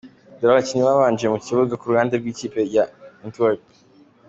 Dore abakinnyi babanje mu kibuga ku ruhande rw’ikipe ya Antwerp :.